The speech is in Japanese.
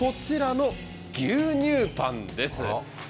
こちらの牛乳パンです。